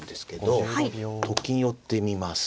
と金寄ってみます。